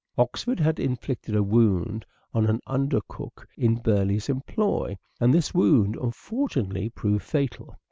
Oxford had inflicted a wound on an under cook in Burleigh's employ, and this wound unfortunately proved fatal.